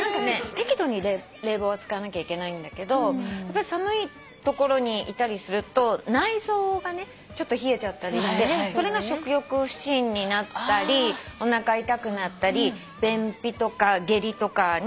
適度に冷房は使わなきゃいけないんだけどやっぱり寒い所にいたりすると内臓が冷えちゃったりしてそれが食欲不振になったりおなか痛くなったり便秘とか下痢とかになるんだって。